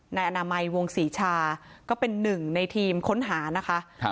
นายอนามัยวงศรีชาก็เป็นหนึ่งในทีมค้นหานะคะ